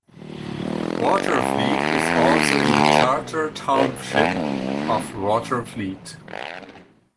Watervliet is also in the Charter Township of Watervliet.